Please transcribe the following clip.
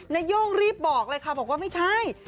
นาย่งรีบบอกเลยค่ะบอกว่าไม่ใช่